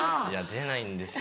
出ないんですよ